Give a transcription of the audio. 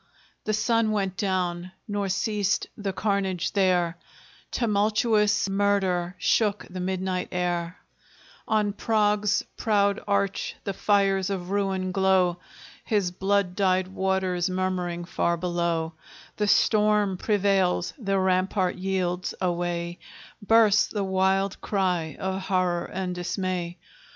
The sun went down, nor ceased the carnage there; Tumultuous Murder shook the midnight air On Prague's proud arch the fires of ruin glow, His blood dyed waters murmuring far below; The storm prevails, the rampart yields a way, Bursts the wild cry of horror and dismay!